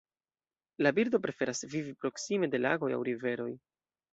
La birdo preferas vivi proksime de lagoj aŭ riveroj.